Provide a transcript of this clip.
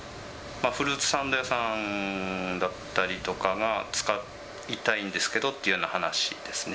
フルーツサンド屋さんだったりとかが、使いたいんですけどっていうような話ですね。